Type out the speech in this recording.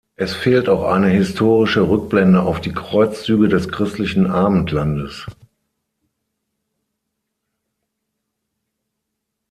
Es fehlt auch eine historische Rückblende auf die Kreuzzüge des christlichen Abendlandes.